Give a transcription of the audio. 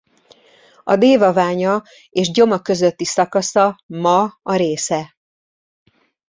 A Dévaványa és Gyoma közötti szakasza ma a része.